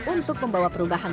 untuk membawa perubahan